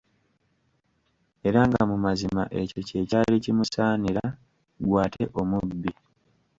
Era nga mu mazima ekyo kye kyali kimusaanira ggwe ate omubbi!